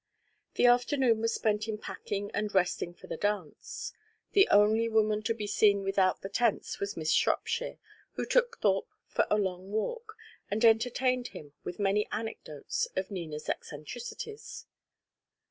The afternoon was spent in packing and resting for the dance. The only woman to be seen without the tents was Miss Shropshire, who took Thorpe for a long walk and entertained him with many anecdotes of Nina's eccentricities.